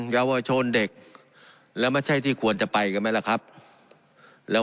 เยาวชนเด็กแล้วไม่ใช่ที่ควรจะไปกันไหมล่ะครับแล้ว